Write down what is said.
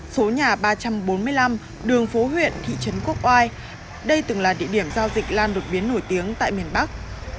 số nhà ba trăm bốn mươi năm đường phố huyện thị trấn quốc oai đây từng là địa điểm giao dịch lan đột biến nổi tiếng tại miền bắc